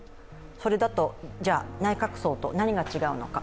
それだと、じゃあ内閣葬と何が違うのか、